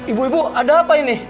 ibu ibu ada apa ini